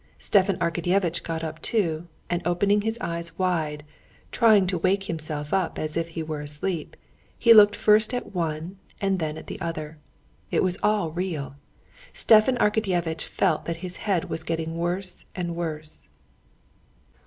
Stepan Arkadyevitch got up too, and opening his eyes wide, trying to wake himself up if he were asleep, he looked first at one and then at the other. It was all real. Stepan Arkadyevitch felt that his head was getting worse and worse.